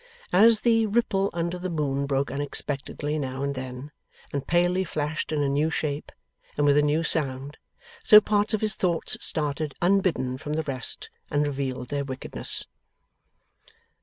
As the ripple under the moon broke unexpectedly now and then, and palely flashed in a new shape and with a new sound, so parts of his thoughts started, unbidden, from the rest, and revealed their wickedness.